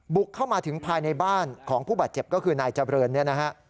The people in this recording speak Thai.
บุกเข้ามาถึงภายในบ้านของผู้บาดเจ็บก็คือนายเจริญเนี่ยนะฮะ